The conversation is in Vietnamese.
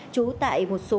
chú tại một số